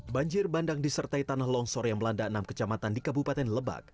banjir bandang disertai tanah longsor yang melanda enam kecamatan di kabupaten lebak